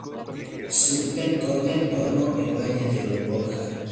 Se ubica en torno al valle del Oja.